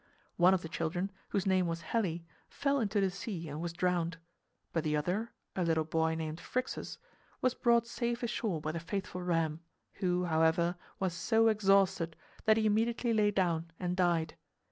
One of the children, whose name was Helle, fell into the sea and was drowned. But the other (a little boy named Phrixus) was brought safe ashore by the faithful ram, who, however, was so exhausted that he immediately lay down and died.